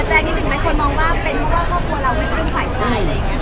นิดนึงนะคนมองว่าเป็นเพราะว่าครอบครัวเราไม่พึ่งฝ่ายชายอะไรอย่างนี้ค่ะ